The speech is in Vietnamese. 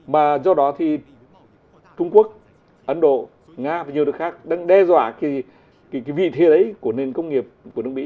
mà do đó thì trung quốc ấn độ nga và nhiều nước khác đang đe dọa cái vị thế đấy của nền công nghiệp của nước mỹ